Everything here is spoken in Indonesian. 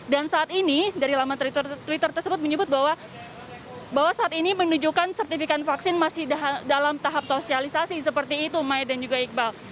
dan saat ini dari laman twitter tersebut menyebut bahwa saat ini menunjukkan sertifikan vaksin masih dalam tahap sosialisasi seperti itu mai dan juga iqbal